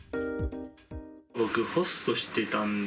僕、ホストしていたんで。